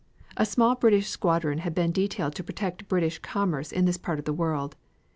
A small British squadron had been detailed to protect British commerce in this part of the world.